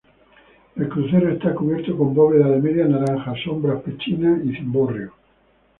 El crucero está cubierto con bóveda de media naranja sobre pechinas y cimborrio.